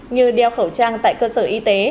như đeo khẩu trang tại cơ sở y tế